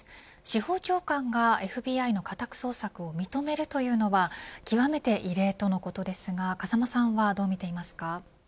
司法長官がＦＢＩの家宅捜索を認めるというのは極めて異例とのことですがどう見ていますか。